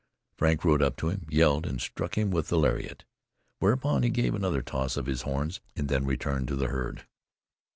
Frank rode up to him, yelled, and struck him with the lariat, whereupon he gave another toss of his horns, and then returned to the herd.